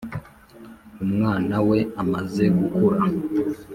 umwana we amaze gukura